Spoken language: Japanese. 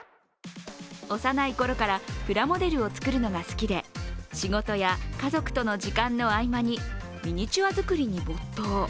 幼いころからプラモデルを作るのが好きで仕事や家族との時間の合間にミニチュア作りに没頭。